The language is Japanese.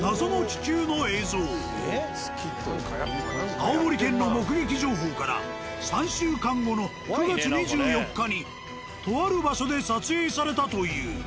青森県の目撃情報から３週間後の９月２４日にとある場所で撮影されたという。